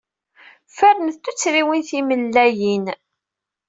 Fernet tuttriwin timlellayin.